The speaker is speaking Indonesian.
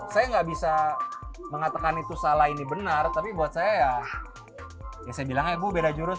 saya nggak bisa mengatakan itu salah ini benar tapi buat saya ya saya bilang ya bu beda jurus